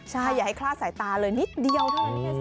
ใช่อย่าให้คลาดสายตาเลยนิดเดียวเท่านั้น